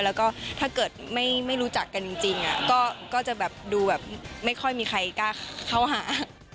แล้วก็ถ้าเกิดไม่รู้จักกันจริงก็จะแบบดูแบบไม่ค่อยมีใครกล้าเข้าหา